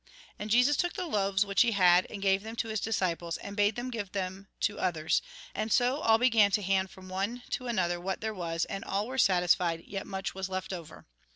And Jesus took the loaves which he had, and gave them to his disciples, and bade them give them to others ; and so all began to hand from one to another what there was, and all were satisfied, yet much was left over.